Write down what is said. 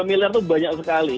satu tiga miliar itu banyak sekali